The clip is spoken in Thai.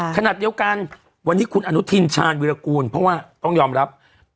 ขณะเดียวกันวันนี้คุณอนุทินชาญวิรากูลเพราะว่าต้องยอมรับ